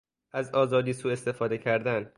از آزادی سواستفاده کردن